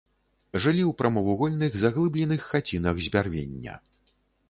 Жылі ў прамавугольных заглыбленых хацінах з бярвення.